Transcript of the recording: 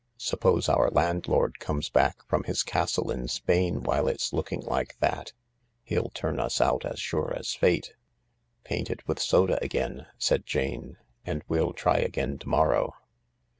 "Suppose our landlord comes back from his castle in Spain while it's looking like that ? He'll turn us out as sure as fate." " Paint it with soda again," said Jane, "and we'll try again to morrow."